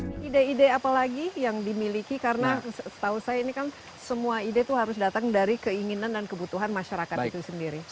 ini ide ide apa lagi yang dimiliki karena setahu saya ini kan semua ide itu harus datang dari keinginan dan kebutuhan masyarakat itu sendiri